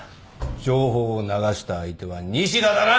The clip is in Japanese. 情報を流した相手は西田だな！